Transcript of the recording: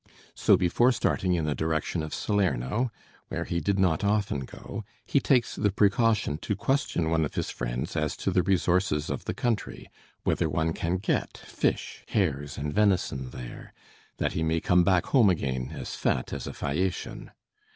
So before starting in the direction of Salerno, where he did not often go, he takes the precaution to question one of his friends as to the resources of the country; whether one can get fish, hares, and venison there, that he may come back home again as fat as a Phæacian.